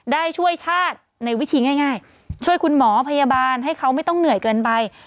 ได้ช่วยชาติในวิธีง่ายช่วยคุณหมอพยาบาลให้เขาไม่ต้องเหนื่อยเกินไป